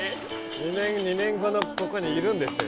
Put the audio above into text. ２年後のここにいるんですよ